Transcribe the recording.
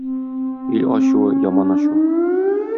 Ил ачуы — яман ачу.